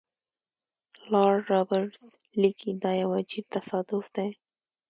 لارډ رابرټس لیکي دا یو عجیب تصادف دی.